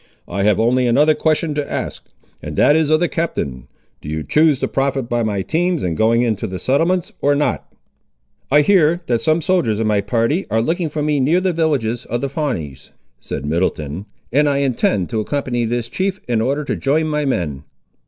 I have only another question to ask, and that is of the Captain; do you choose to profit by my teams in going into the settlements, or not?" "I hear, that some soldiers of my party are looking for me near the villages of the Pawnees," said Middleton, "and I intend to accompany this chief, in order to join my men."